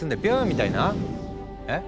みたいなえ？